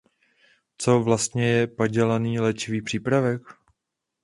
Co vlastně je padělaný léčivý přípravek?